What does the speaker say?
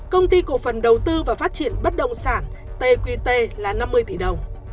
công ty cổ phần đầu tư và phát triển bất động sản tqt là năm mươi tỷ đồng